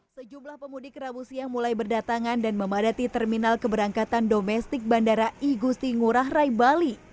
sejumlah pemudik rabu siang mulai berdatangan dan memadati terminal keberangkatan domestik bandara igusti ngurah rai bali